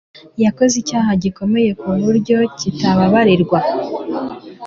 Yakoze icyaha gikomeye kuburyo kitababarigwa.